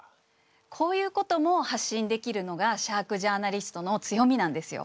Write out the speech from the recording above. こういうことも発信できるのがシャークジャーナリストの強みなんですよ。